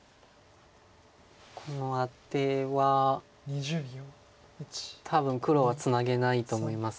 このアテは多分黒はツナげないと思います。